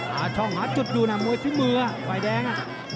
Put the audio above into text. หาช่องหาจุดดูนะมวยที่มือไฟแดง